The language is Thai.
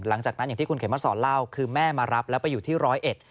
อย่างที่คุณเขมสอนเล่าคือแม่มารับแล้วไปอยู่ที่ร้อยเอ็ด